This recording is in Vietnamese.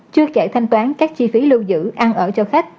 chưa kể thanh toán các chi phí lưu giữ ăn ở cho khách